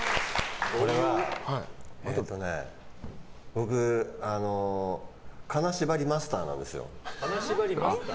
僕、金縛りマスターなんですよ。